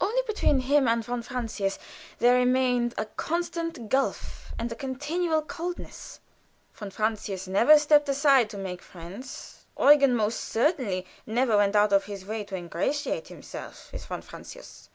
Only between him and von Francius there remained a constant gulf and a continual coldness. Von Francius never stepped aside to make friends; Eugen most certainly never went out of his way to ingratiate himself with von Francius.